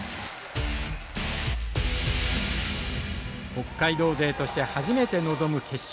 北海道勢として初めて臨む決勝。